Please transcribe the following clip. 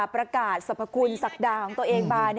ประกาศสรรพคุณศักดาของตัวเองมา